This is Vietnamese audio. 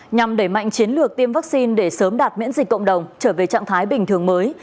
nhằm đẩy mạnh chiến lược tiêm vaccine để sớm đạt miễn dịch cộng đồng trở về trạng thái bình thường mới